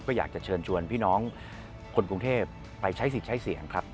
ก็อยากจะเชิญชวนพี่น้องคนกรุงเทพไปใช้สิทธิ์ใช้เสียงครับ